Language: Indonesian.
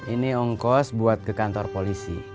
ini ongkos buat ke kantor polisi